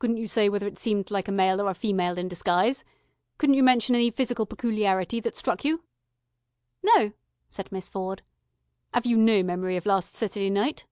"Couldn't you say whether it seemed like a male or a female in disguise? Couldn't you mention any physical pecooliarity that struck you?" "No," said Miss Ford. "'Ave you no memory of last Seturday night?"